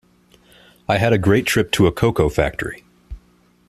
I had a great trip to a cocoa factory.